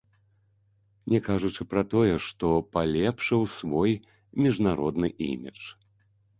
Не кажучы пра тое, што палепшыў свой міжнародны імідж.